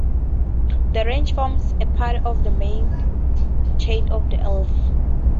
The range forms a part of the main chain of the Alps.